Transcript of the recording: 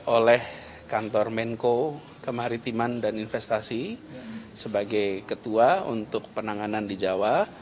oleh kantor menko kemaritiman dan investasi sebagai ketua untuk penanganan di jawa